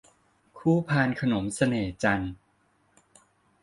คู่พานขนมเสน่ห์จันทร์